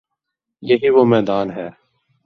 یہی وہ میدان ہے۔